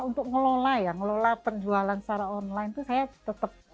untuk ngelola ya ngelola penjualan secara online itu saya tetap